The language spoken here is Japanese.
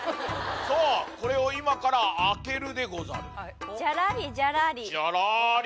さぁこれを今から開けるでござる。